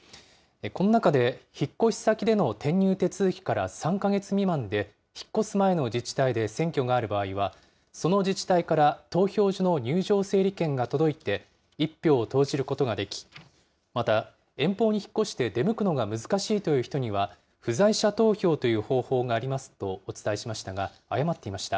この中で引っ越し先での転入手続きから３か月未満で、引っ越す前の自治体で選挙がある場合は、その自治体から投票所の入場整理券が届いて、１票を投じることができ、また遠方に引っ越して出向くのが難しいという人には、不在者投票という方法がありますとお伝えしましたが、誤っていました。